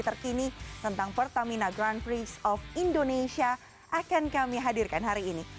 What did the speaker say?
terkini tentang pertamina grand prix of indonesia akan kami hadirkan hari ini